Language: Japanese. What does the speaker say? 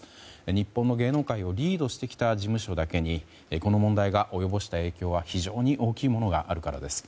日本の芸能界をリードしてきた事務所だけにこの問題が及ぼした影響は非常に大きいものがあるからです。